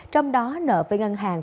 trong đó nợ về ngân hàng